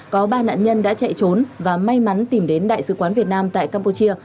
có ba nạn nhân đã chạy trốn và may mắn tìm đến đại sứ quán việt nam tại campuchia